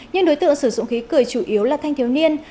nhưng đối tượng sử dụng khí cười chủ yếu là thanh thiếu niên